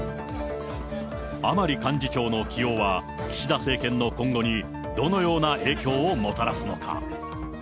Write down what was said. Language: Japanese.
甘利幹事長の起用は、岸田政権の今後にどのような影響をもたらすのか。